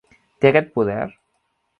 Té aquest poder?